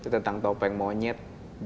tentang topeng monyet